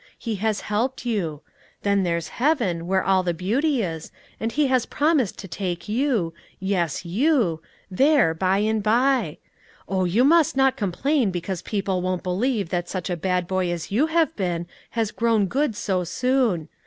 He has helped you. Then there's heaven, where all the beauty is, and He has promised to take you yes, you there by and by! Oh, you must not complain because people won't believe that such a bad boy as you have been has grown good so soon.